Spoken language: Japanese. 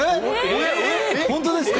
本当ですか？